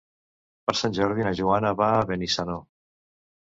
Per Sant Jordi na Joana va a Benissanó.